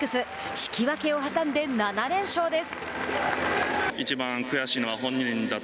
引き分けを挟んで７連勝です。